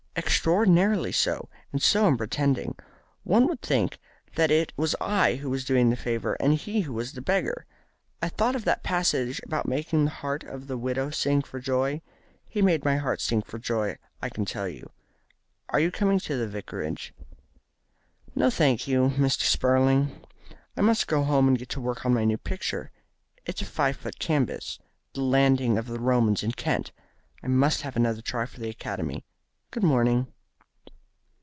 "Extraordinarily so. And so unpretending. One would think that it was I who was doing the favour and he who was the beggar. I thought of that passage about making the heart of the widow sing for joy. He made my heart sing for joy, I can tell you. Are you coming up to the Vicarage?" "No, thank you, Mr. Spurling. I must go home and get to work on my new picture. It's a five foot canvas the landing of the Romans in Kent. I must have another try for the Academy. Good morning."